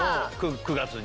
９月に。